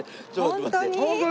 本当に？